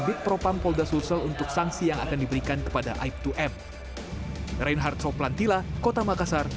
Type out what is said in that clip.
bid propan polda sulsel untuk sanksi yang akan diberikan kepada aibtu m